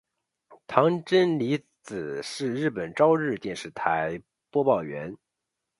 堂真理子是日本朝日电视台播报员。